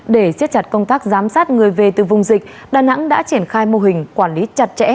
để siết chặt công tác giám sát người về từ vùng dịch đà nẵng đã triển khai mô hình quản lý chặt chẽ